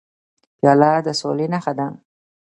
پیاله د سولې نښه ده.